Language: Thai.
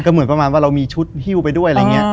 เหมือนประมาณว่าเรามีชุดฮิ้วไปด้วยอะไรอย่างนี้